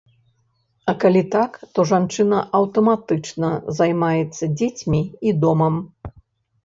А калі так, то жанчына аўтаматычна займаецца дзецьмі і домам.